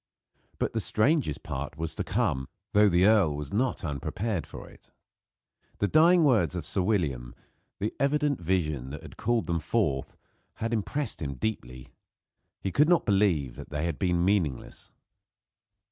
But the strangest part was to come; though the earl was not unprepared for it. The dying words of Sir William the evident vision that had called them forth had impressed him deeply. He could not believe they had been meaningless.